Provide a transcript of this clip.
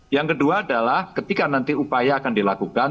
yang kedua adalah ketika nanti upaya akan dilakukan